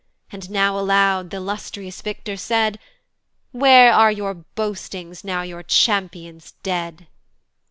And now aloud th' illustrious victor said, "Where are your boastings now your champion's "dead?"